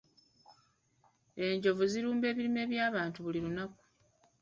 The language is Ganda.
Enjovu zirumba ebirime by'abantu buli lunaku.